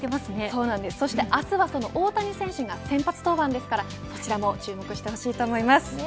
そうなんです、そして明日はその大谷選手が先発登板ですからこちらも注目してほしいと思います。